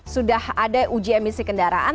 sudah ada uji emisi kendaraan